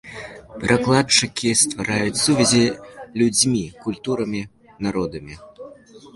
Перакладчыкі ствараюць сувязі людзьмі, культурамі, народамі.